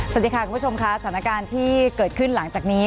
สวัสดีค่ะคุณผู้ชมค่ะสถานการณ์ที่เกิดขึ้นหลังจากนี้